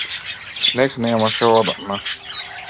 Снег немаше одамна.